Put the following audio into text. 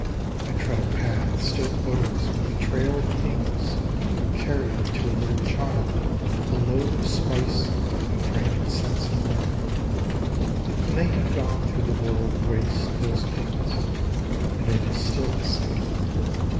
I tread a path still odorous with the trail Of Kings who carried to a little Child A load of spice and frankincense and myrrh. And they have gone through the world waste, thoso Kings, And it is still the same.